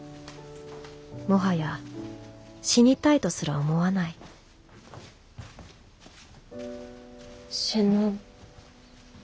もはや死にたいとすら思わない死のう。